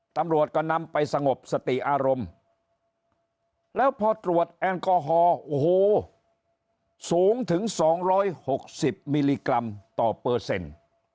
ตำรวจก็นำไปสงบสติอารมณ์แล้วพอตรวจแอลกอฮอล์โอ้โหสูงถึงสองร้อยหกสิบมิลลิกรัมต่อเปอร์เซ็นต์